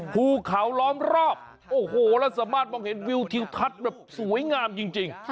ภูเขาล้อมรอบโอ้โหแล้วสามารถมองเห็นวิวทิวทัศน์แบบสวยงามจริง